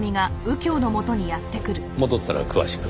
戻ったら詳しく。